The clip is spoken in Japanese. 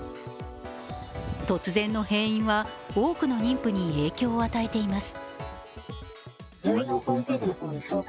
突然の閉院は、多くの妊婦に影響を与えています。